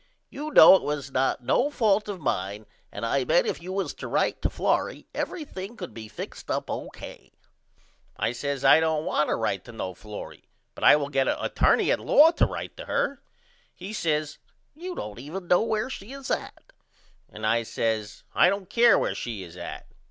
You know it was not no fault of mine and I bet if you was to write to Florrie everything could be fixed up O.K. I says I don't want to write to no Florrie but I will get a attorney at law to write to her. He says You don't even know where she is at and I says I don't care where she is at.